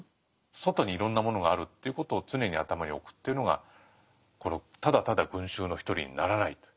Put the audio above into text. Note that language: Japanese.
外にいろんなものがあるっていうことを常に頭に置くというのがただただ群衆の一人にならない。